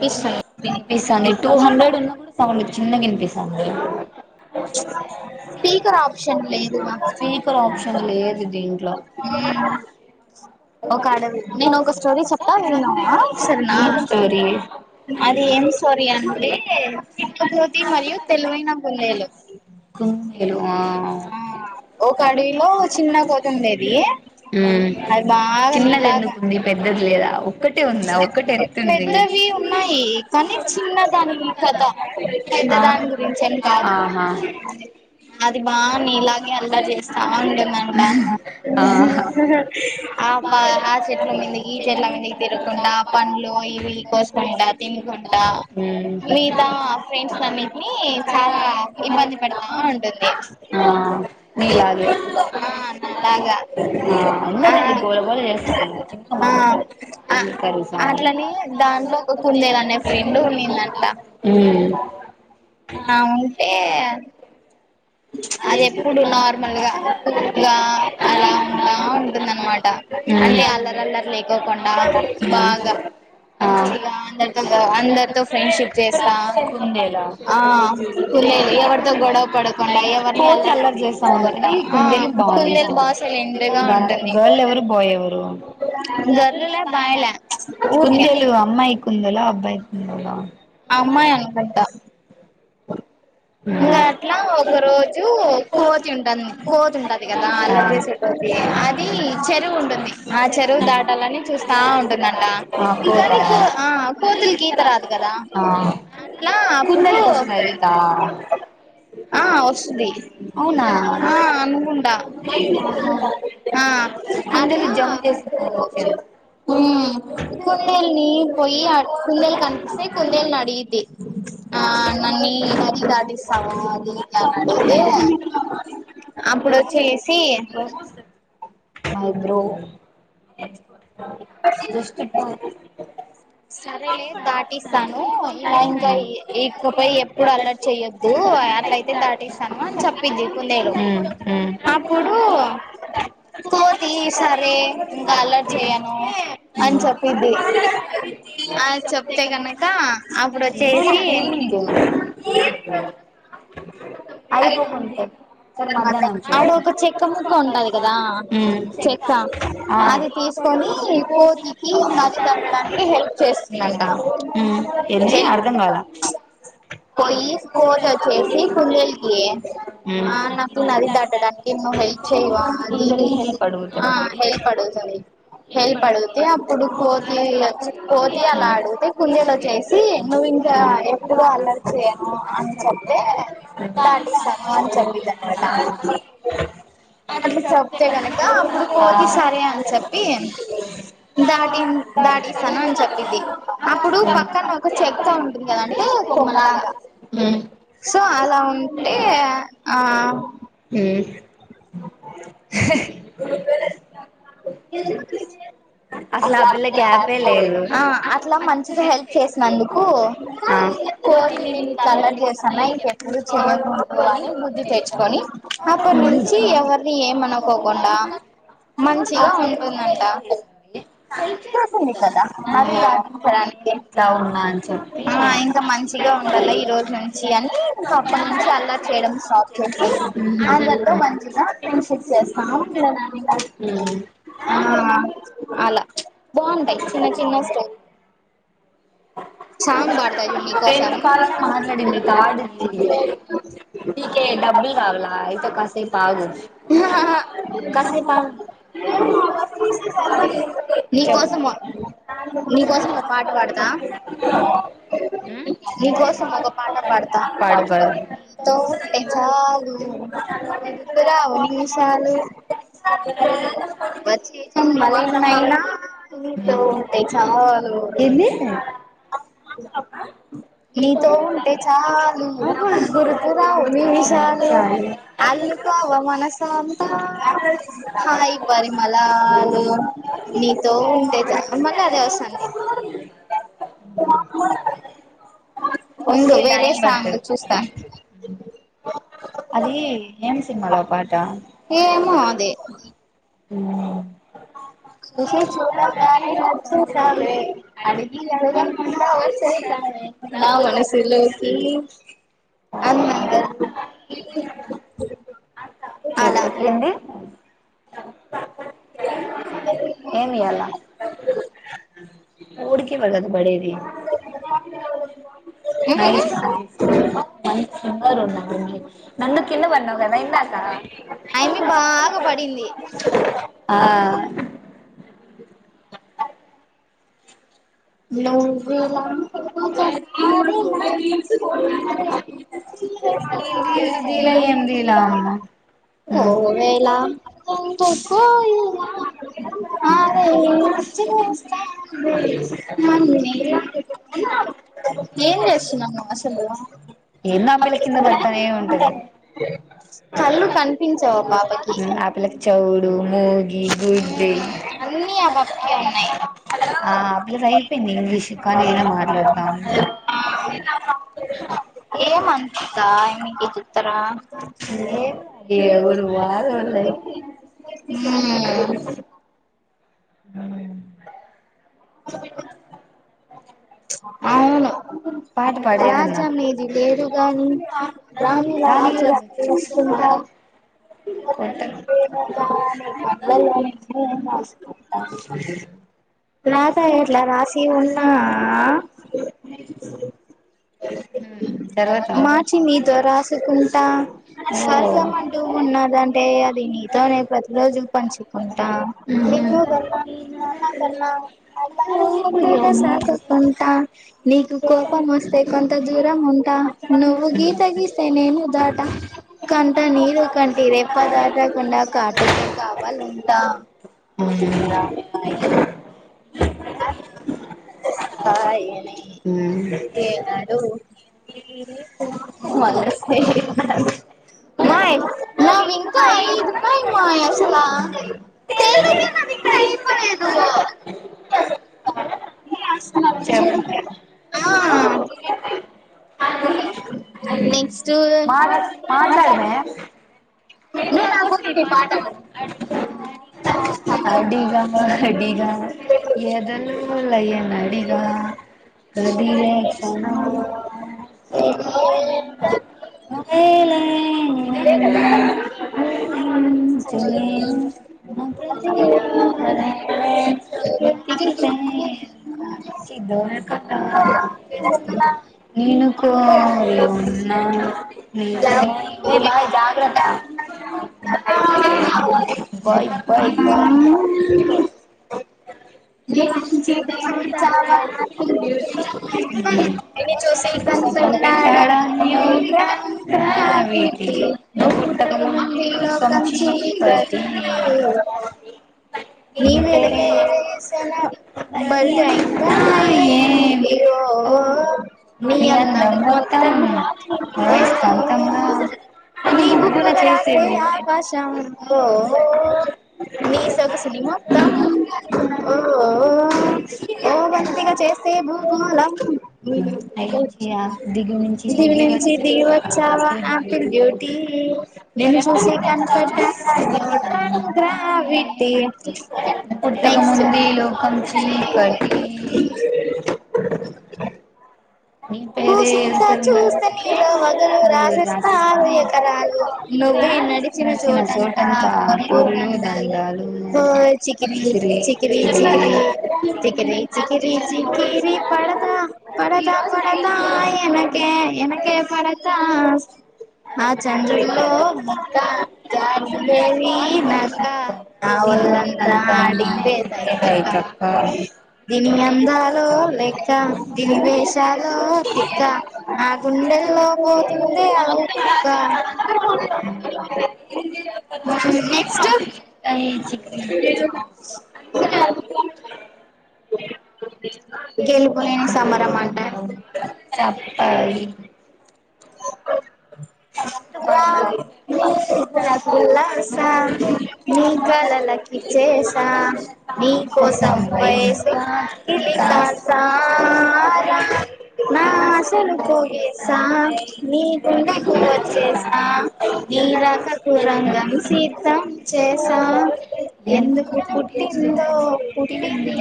వినిపిస్తుంది వినిపిస్తంది two hundred ఉన్నా కూడా సౌండ్ చిన్న గా వినిపిస్తాంది స్పీకర్ ఆప్షన్ లేదుగా స్పీకర్ ఆప్షన్ లేదు దీంట్లో మ్ ఒక ఆడవి నేను ఒక స్టోరీ చెప్తా విను నువ్వు ఆ సరేనా ఏం స్టోరీ అది ఎం సోరీ అంటే కోతి మరియు తెలివైన కుందేలు కుందేలు ఆ ఆ ఒక అడవిలో చిన్న కోతి ఉండేది ఉమ్ అది బాగా చిన్నది నీలాగా ఎందుకు మి పెద్దది లేదా ఒక్కటే ఉందా ఒక్కటి ఎత్తుంది పెద్దవి ఉన్నాయి కానీ చిన్నదాని కథ పెద్ద ఆ దాని గురించి అని కాదు ఆహా అ అది బా నీలాగే అల్లరి జేస్తా ఉంది ఆహా [unintelligible] ఆ పా ఆ చెట్ల మీదికి ఈ చెట్లా మీ తిరుకుంటా పండ్లు ఇవి కోసుకుంటా తినుకుంటా ఉమ్ మిగతా ఫ్రెండ్స్ కొన్నిట్నీ చాలా ఇబ్బంది పెడతా ఉంటుంది ఆ నీలాగే ఆ నాలాగా ఆ ఆ అందరు ఏంది గోళ గోళ చేస్ [inaudible] ఆ ఆ అట్లనే దాంట్లో ఒక కుందేలు అనే ఫ్రెండ్ ఉన్నిందంట [unintelligible] ఊ ఆ ఉంటే అది ఎప్పుడు నార్మల్గా గా అలా ఉంటా ఉంటుందనమాట ఉమ్ అంటే అల్లర్ అల్లర్ లేకోకుండా ఉమ్ బాగ ఆ మంచిగా అందరితో ము అందరితో ఫ్రెండ్షిప్ జేస్తా ఉంది ఉందేలా ఎవరితో గొడవ పడకుండా ఎవరిని కోతి అల్లరి జేస్తా పట్టించుకోకుండా ఉంటది కుందేలు ఆ బా జేస్త కుందేలు బా సైలెంట్ గా [unintelligible] ఉంటుంది గర్ల్ ఎవరు బాయ్ ఎవరు గర్లులా బాయ్లా ఊరికే కుందేలు అమ్మాయి కుందేలా అబ్బాయి కుందె అమ్మాయ్ అనుకుంటా ఇంగ అట్లా ఒక రోజూ కోతి ఉంటాంది కోతి ఉంట ది కదా అల్లరి ఆ చేసే కోతి దీ చెరువు ఉంటుంది ఆ చెరువు దాటాలని చూస్తా ఉంటుందన్ ఆ ఇంకా కోతా దిక్కూ ఆ కోతుల్కి ఈత రాదు గదా ఆ కుందేలు కొస్తదా ఈతా ఆ ఒస్తది అవునా ఆ అనుకుంటా ఆహా ఆ కుందేలు అట్లా [unintelligible] ఊమ్ కుందేల్నీ పొయ్యి అ కుందేల్ కన్ సే కుందేల్ నడిగిద్ది ఆ నన్నీ నది దాటిస్తవ అది అప్పుడొచ్చి మై బ్రో జస్ట్ ఇప్పు సరేలే దాటిస్తాను ఇలా ఇంకా ఇ ఇకపై ఎప్పుడు అల్లర్ చెయ్యొద్దూ అన్ అట్లయితే దాటిస్తాను అని చెప్పింది కుందేలు మ్మ్ అప్పుడూ మ్మ్ కోతీ సరే ఇంక అల్లర్ చేయను అని బ్యాలెన్స్ చెప్పిద్ది చేయంటే అని చెప్పింది. ఆ చెప్తే కనుక గనక అప్పుడు నేను ఒచ్చేసి అక్క ఈవినింగ్ చేయ అయిపో కుంటె ఆడ ఒక చెక్క ముక్క ఉంటది గదా మ్మ్ చెక్క ఆ అది తీసుకొని కోతికీ నది దాటడానికి హెల్ప్ చేస్తుందంట ఎందీ అర్ధం గాల పొయ్యి కోతి ఒచ్చేసి కుందేల్ ఆ నాకు ఈ నది దాటడానికి నువ్ హెల్ప్ చేయవ ముందల్నే హెల్ప్ అడుగుతా ఆ హెల్ప్ అడుగుతది హెల్ప్ అడుగుతే అప్పుడు కోతి ఒచ్చి కోతి అలా అడుగుతే కుందేలో ఒచ్చేసి నువ్ ఇంకా ఎప్పుడు అల్లరి చేయను అని చెప్తే దాటిస్సాను అని చెప్పిద్ది అనమాట అట్ల చెప్తే గనక ఇప్పుడు కోతి సరే అని చెప్పి దాటిన్ దాటిస్తాను అని చెప్పిది అప్పుడూ పక్కన ఒక చెక్క ఉంటున్ గాద అంటే ఏ కొమ్మలాగ సో అలా ఉన్ టే ఆ ఉమ్ అసలు ఆ పిల్ల గ్యాపే లేదు అ అట్ల మంచిగ హెల్ప్ చేసినందుకు కోతీ నేను ఇట్లా అల్లరి చేస్తూనా ఇంకెప్పుడు గాని బుద్ది తెచ్చుకొని అప్పటి నుంచి ఎవరిని ఏమన కుండా మంచిగా కుందన్ ఉంటుందంట పిలి చేసింది కదా [inaudible] ఇట్లా ఉన్నా అని చెప్పి ఆ ఇంకా మంచిగా ఉండాల ఈ రోజు నుంచి అని ఇంకా అప్పటి నుంచి అల్లరి చేయడం స్టాప్ చేసి అందర్తో మంచిగా ఫ్రెంషిప్ చేస్తా ఉమ్ [inaudible] ఆ అలా బాగుంటాయి చిన్న చిన్న స్టే చాంగ్ బడయివి టెన్ మాట్లాడింది ఆర్డవివి పీకే డబ్బులు కావాలా అయితే క ఏ పాగు నీ చెప్పు కోసము నీకోసం ఒక పాట పాడతా ఉమ్ నీకోసం ఒక పాట పాడతా అ పాడు నీ తో ఉంటే చాలు బ్యూ గుర్తు రావు నిమిశాలు వచ్చే జన్మలెనైనా నీ తో ఉంటే చాలు ఎంది నీ తో ఉంటే చాలు అబ్బా గుర్తు రావు నిమిశాలు నిమిషాలు అల్లు కొవ మనసంత్త హాయి పరిమలాలు నీ తో ఉంటే మల అదే వస్తంది ఉండు వస్తాయి వేరే టైం సాంగ్ పడుతది చూస్తా సినిమలో పాట ఏమో అదే చూసి చూడంగానే నచ్చేసావే అడిగి అడగకుండా వచ్చేసావే నా మనసులోకి అందంగా దూకి చెప్ ఏంది ఏం ఇయాల ఊడికె వళ్దు మడేది నైస్ సాంగ్స్ మంచి కంగారు ఉ నందు కిందా పాన్నావ్ కదా ఇందాక ఆయమ్మి బాగా పడింది ఆ నువ్వు [inaudible] [inaudible] నేను రీల్స్ తీయలే ఏం తీయలే అమ్మ కొవేలా [unintelligible] అరే చేస్తాలే ఏం చేస్తున్నావు అసలు ఏందో ఆ పిల్ల కింద పడతానే ఉంటది [inaudible] కళ్ళు కనిపించవా అ పాపకి ముగి గుడ్డి అన్ని ఆ పాపకే ఉన్నాయి ఆ పిల్లకి అయిపోయింది ఇంగ్లీష్ కానీ అయినా మాట్లాడుతా ఉంది ఏం అంతా ఇగ చెప్తారా ఏ ఎవరు వాల వాలాది మ్ ఆ అవును పాట పాడేదన్నా రాజ్యం ఏది లేదు గాని రాణి లాగా చేసు చేసుకుంటా రానీలా కొత్త ప్రేమ కానిది ఎవలు [unintelligible] రాత ఏట్లా రాసి ఉన్నా తర్వాత మార్చి నీతో రాసుకుంటా ఓ స్వర్గమంటూ ఉన్నదంటే అది నీతోనే ప్రతి రోజు పంచుకుంటా నిన్ను గన్నా మీ నాన్న కన్నా అల్లారు ముద్దుగా ఓయమ్మో సాకకుంటా నీకు కోపం వస్తే కొంత దూరం ఉంటా నువ్వు గీత గీస్తే నేను దాటా కంట నీరు కంటే రెప్ప దాటకుండా కాటుకే కావాల అంటా రాంబాయి మన సాయనే ఏనాడు ఏ మనసే మనసే మయ నావి ఇంకా ఐదుపాయి మాయా తెలుగే నాది ఇంకా అయిపోలేదు అ చెప్ ఆ నేక్స్ట్ మాట్ మాట్లాడు మాట్లాడమే నువ్వు నా బుక్స్ కి పాట పాడు అడిగా అడిగా యెద లో లయ ను అడిగా ఆడిగా కదిలే క్షణమా ఏ [unintelligible] నువ్వే లేని ఇదే కదా [unintelligible] నేనూ కోరి ఉన్న ఎదలో.. ఏ భాయ జాగ్రత బాయ్ బాయ్ బాయ్ [unintelligible] నిన్నే చూసే కనిపెట్టాడా న్యూటన్ గ్రావిటీ నువ్వు పుట్టక ముందే లోకం కంచే చీకటి [unintelligible] నీ వెలుగే ఎసాన ఏ బరిత అయిందో వో వో మీ అంత మొత్తం వో వాయిస్ వో కాంతంలా నన్ను నీ బుక్ దుగ్గున ఒక రాస్తే చేసేవు ఆకాశం ఓ.. ఓ పెసరాట్ శ్రీ మొత్తం ఓ ఓ ఓ ఓవంతగా చేస్తే భూగోలం పైనుంచి ఆ దిగు నుంచి దివి దిగి నుంచి దిగి వచ్చాను వచ్చావ అసలు ఆపిల్ బ్యూటీ నిను చూసి కనిపెట్టాడా న్యూటన్ గ్రావిటీ పుట్టకముందు ఈ నెక్స్ట్ లోకం చీకటి నీ పేరే కూసింతా ఎరుసల్మలు చూస్తే నీలో వగలు ఊరు రాసి రాసేస్తావే ఎకరాలు నువే నడిచిన నడిసిన చోటంతా కొరివి పొర్లు దండాలే దండాలు ఓ చికిరి చికిరి చికిరి చికిరి చికిరి చికిరి పడత పడత పడతా ఎనకే ఎనకే పడతా ఆ చంద్రులో ముక్క జారిందే దీనక్క నా ఒళ్ళంతా నీవల్లంతా ఆడిందే మాయే తైతక్కా కైతక్క దీనందాలో లెక్క దీని వేేశాలో తిక్క నా గుండెల్లో పోతుందే ఉక్కా ఆ నిన్నే చికిరి [unintelligible] గెలుపులేని సమర మంటనే హయి [inaudible] రా నా కొట్లాడుకుంటే పాటలు నిదుర కుల్లాసా నీ కలలకిచే ఏసా నీ పాడు కోసం నీకోసం వయసు వాకి వాకిలి కాసా రా నా ఆశలు పోగేస పోగేసా నీ గుండెకు వచ్చేస నీ నీకోసం రాకకు రంగం సిద్థం మనసుని చేస చేసా ఎందుకు పుట్టిందో పుట్టింది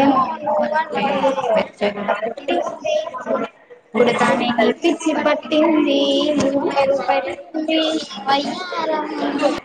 ఏమో నువ్వంటే ముచ్చట పుట్టింది పుడతానే నీ పిచ్చి పట్టింది నీ పేరు పట్టింది పెట్టింది వయ్యారం